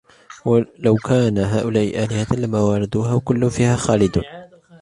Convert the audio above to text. لو كان هؤلاء آلهة ما وردوها وكل فيها خالدون